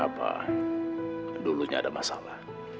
apa dulunya ada masalah